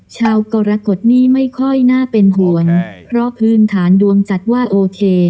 กรกฎนี้ไม่ค่อยน่าเป็นห่วงเพราะพื้นฐานดวงจัดว่าโอเค